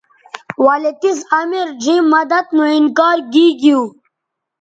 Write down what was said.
ولے تِس امیر ڙھیئں مدد نو انکار گیگیو